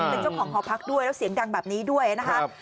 เป็นเจ้าของหอพักด้วยแล้วเสียงดังแบบนี้ด้วยนะครับ